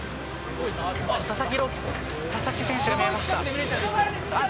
佐々木朗希選手、佐々木選手が見えました。